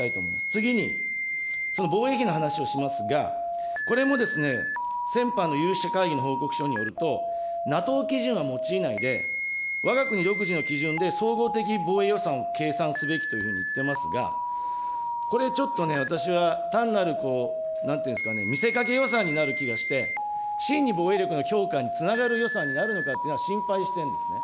次に、その防衛費の話をしますが、これも先般の有識者会議の報告書によると、ＮＡＴＯ基準は用いないで、わが国独自の基準で総合的防衛予算を計算すべきというふうに言っていますが、これちょっとね、私は単なる、なんていうんですかね、見せかけ予算になる気がして、真に防衛力の強化につながる予算になるのかというのは心配してるんですね。